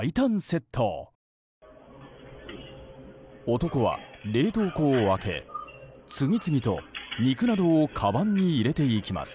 男は冷凍庫を開け次々と肉などをかばんに入れていきます。